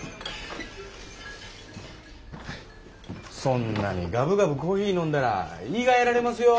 そんなにガブガブコーヒー飲んだら胃がやられますよ。